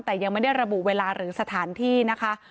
แต่ยังไม่ได้ระบุเวลาหรือสถานที่นะคะ